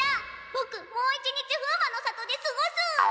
ボクもう一日風魔の里ですごす！